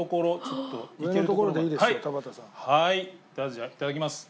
じゃあいただきます。